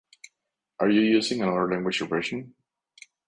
Are you using another language or version?